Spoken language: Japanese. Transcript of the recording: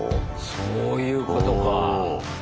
そういうことか。